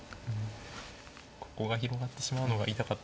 ここが広がってしまうのが痛かったですね。